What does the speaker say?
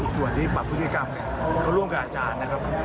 ส่วนที่ปรับพฤติกรรมเขาร่วมกับอาจารย์นะครับ